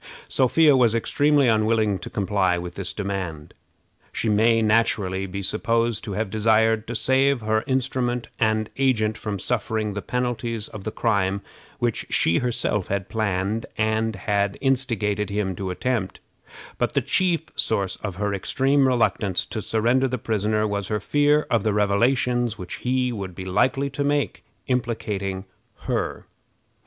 Sophia was extremely unwilling to comply with this demand. She may naturally be supposed to have desired to save her instrument and agent from suffering the penalties of the crime which she herself had planned and had instigated him to attempt; but the chief source of her extreme reluctance to surrender the prisoner was her fear of the revelations which he would be likely to make implicating her.